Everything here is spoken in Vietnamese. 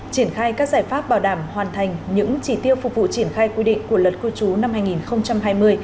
triển khai các giải pháp bảo đảm hoàn thành những chỉ tiêu phục vụ triển khai quy định của luật cư trú năm hai nghìn hai mươi